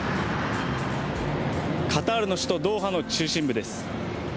カタールの首都ドーハの中心部です。